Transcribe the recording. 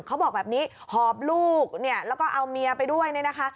เขาบอกแบบนี้หอบลูกเนี่ยแล้วก็เอาเมียไปด้วยเนี่ยนะคะ